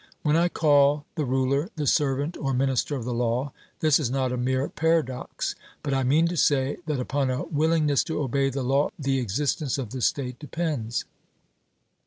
When I call the ruler the servant or minister of the law, this is not a mere paradox, but I mean to say that upon a willingness to obey the law the existence of the state depends.